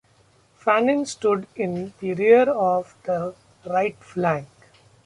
Fannin stood in the rear of the right flank.